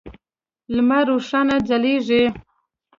لمر روښانه ځلیږی